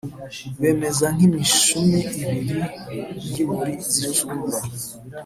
Bameze nk’imishimu ibiri y’imuri zicumba